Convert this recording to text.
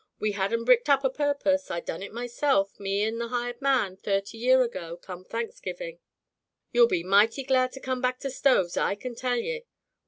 We had 'em bricked up a purpose. I done it myself, me an' the hired man, thirty year ago, come Thanksgiving. You'll be mighty glad to come back to stoves, I can tell ye.'